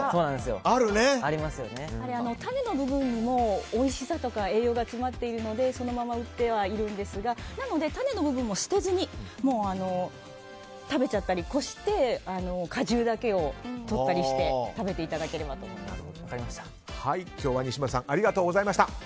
種の部分にも、おいしさとか栄養が詰まっているのでそのまま売ってはいるんですがなので種の部分も捨てずに食べちゃったりこして、果汁だけをとったりして今日は西村さんありがとうございました。